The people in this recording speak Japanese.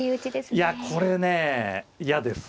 いやこれね嫌です。